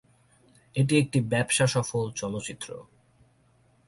এটি একটি ব্যবসাসফল চলচ্চিত্র।